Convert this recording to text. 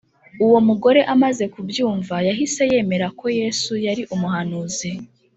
. Uwo mugore amaze kubyumva, yahise yemera ko Yesu yari umuhanuzi